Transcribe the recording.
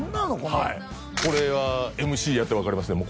はいこれはＭＣやって分かりますね